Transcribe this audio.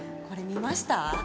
これ見ました？